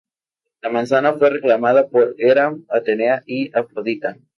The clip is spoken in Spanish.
La manzana fue reclamada por Hera, Atenea y Afrodita.